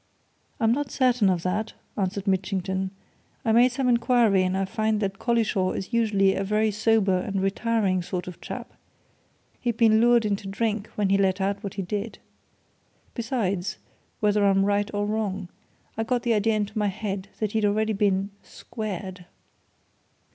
"I'm not certain of that," answered Mitchington. "I made some inquiry and I find that Collishaw is usually a very sober and retiring sort of chap he'd been lured on to drink when he let out what he did. Besides, whether I'm right or wrong, I got the idea into my head that he'd already been squared!"